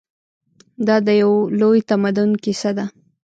دا د یو لوی تمدن کیسه ده.